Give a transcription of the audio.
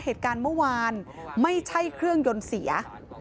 เหตุการณ์เมื่อวานไม่ใช่เครื่องยนต์เสีย